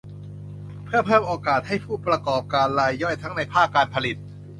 เพื่อเพิ่มโอกาสให้ผู้ประกอบการรายย่อยทั้งในภาคการผลิต